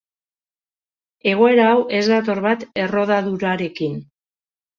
Egoera hau ez dator bat errodadurarekin.